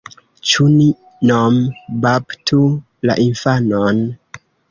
Ĉu ni nom-baptu la infanon?